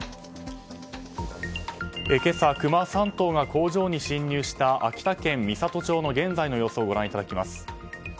今朝、クマ３頭が工場に侵入した秋田県美郷町の現在の様子をご覧いただきます。